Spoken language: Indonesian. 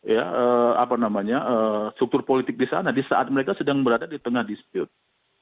ya apa namanya struktur politik di sana di saat mereka sedang berada di tengah dispute